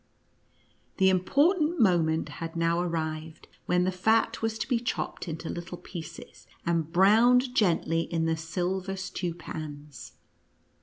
The important moment had now arrived when the fat was to be chopped into little pieces, and browned gently in the silver stew pans.